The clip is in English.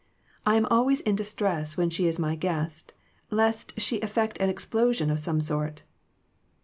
I am always in distress when she is my guest, lest she effect an explosion of some sort."